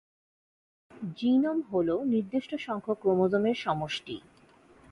Genome হল নির্দিষ্ট সংখ্যক ক্রোমোজোমের সমষ্টি।